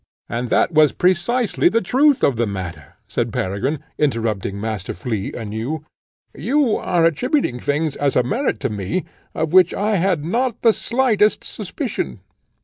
"And that was precisely the truth of the matter," said Peregrine, interrupting Master Flea anew. "You are attributing things as a merit to me, of which I had not the slightest suspicion.